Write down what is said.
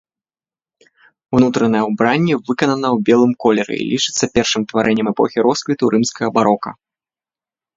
Унутранае ўбранне выканана ў белым колеры і лічыцца першым тварэннем эпохі росквіту рымскага барока.